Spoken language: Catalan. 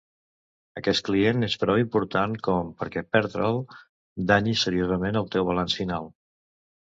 Aquest client és prou important com perquè perdre'l danyi seriosament el teu balanç final.